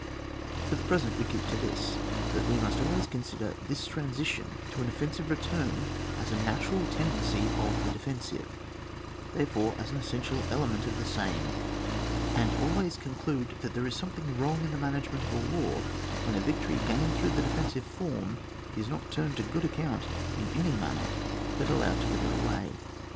For the present we keep to this, that we must always consider this transition to an offensive return as a natural tendency of the defensive, therefore as an essential element of the same, and always con clude that there is something wrong in the mana^enxent of a war when a victory gained through the defensive form is not turned to good account in any manner, but allowed to wither away.